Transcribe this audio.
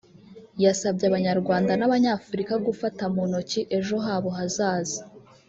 yasabye Abanyarwanda n’Abanyafurika gufata mu ntoki ejo habo hazaza